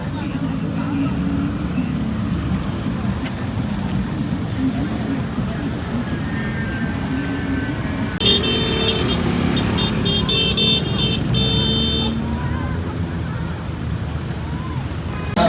สวัสดีทุกคน